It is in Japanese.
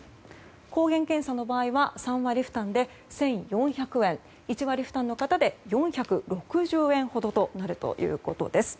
抗原検査の場合は３割負担で１４００円１割負担の方で４６０円ほどとなるということです。